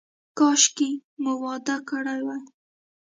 کاشکې مو واده کړی وای.